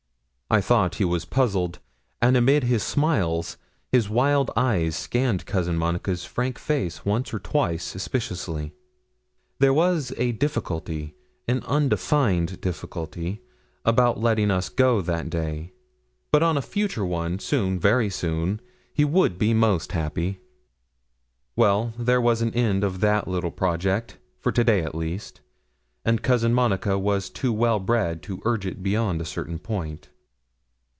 I thought he was puzzled; and amid his smiles, his wild eyes scanned Cousin Monica's frank face once or twice suspiciously. There was a difficulty an undefined difficulty about letting us go that day; but on a future one soon very soon he would be most happy. Well, there was an end of that little project, for to day at least; and Cousin Monica was too well bred to urge it beyond a certain point.